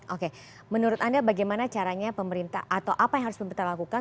oke menurut anda bagaimana caranya pemerintah atau apa yang harus pemerintah lakukan